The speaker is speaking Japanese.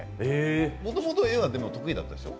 もともと絵は得意だったでしょう？